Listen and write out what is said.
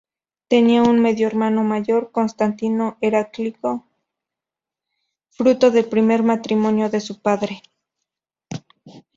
Tenía un medio hermano mayor, Constantino Heraclio, fruto del primer matrimonio de su padre.